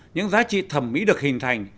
những giá trị thẩm mỹ được hình thành